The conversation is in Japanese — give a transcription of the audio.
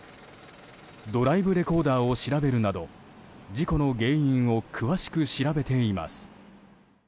ドライブレコーダーを調べるなど事故の原因を詳しく調べています。